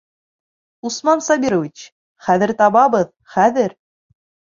Усман Сабирович, хәҙер табабыҙ, хәҙер!